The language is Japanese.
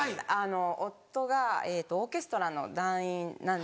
夫がオーケストラの団員なんです。